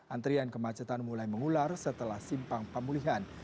antrian kemacetan mulai mengular setelah simpang pemulihan